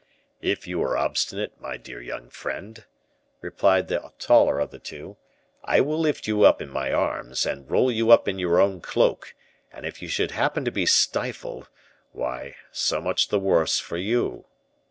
"If you are obstinate, my dear young friend," replied the taller of the two, "I will lift you up in my arms, and roll you up in your own cloak, and if you should happen to be stifled, why so much the worse for you."